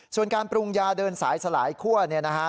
ส่วนการปรุงยาเดินสายสลายคั่วเนี่ยนะฮะ